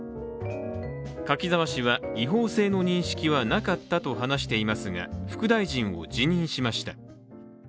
柿沢氏は、違法性の認識はなかったと話していますが、副大臣を辞任しました。